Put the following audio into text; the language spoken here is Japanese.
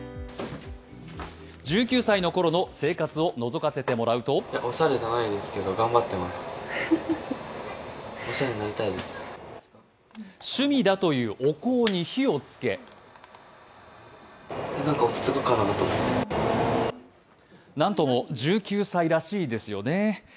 １９歳のころの生活をのぞかせてもらうと趣味だというお香に火をつけ何とも１９歳らしいですよね。